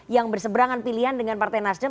yang berseberangan pilihan dengan partai nasdem